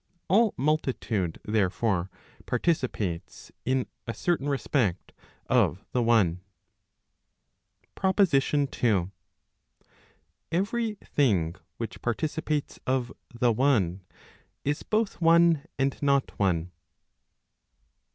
All multitude, therefore, participates in a certain respect of the one. PROPOSITION II. Every thing which participates of the one , is both one and not one.